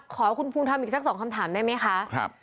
ขอคุณภูมิธรรมอีกสัก๒คำถามได้ไหมคะ